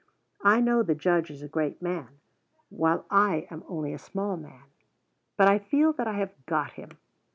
I know the Judge is a great man, while I am only a small man; but I feel that I have got him.